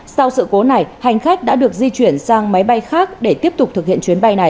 sau sự cố này hành khách đã được di chuyển sang máy bay khác để tiếp tục thực hiện chuyến bay này